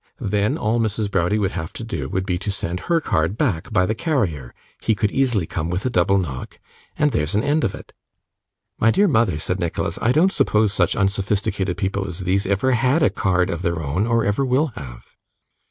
Then all Mrs. Browdie would have to do would be to send her card back by the carrier (he could easily come with a double knock), and there's an end of it.' 'My dear mother,' said Nicholas, 'I don't suppose such unsophisticated people as these ever had a card of their own, or ever will have.